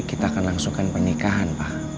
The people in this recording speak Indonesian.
kita akan langsungkan pernikahan pak